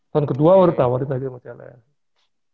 tahun kedua udah ditawari tadi sama cls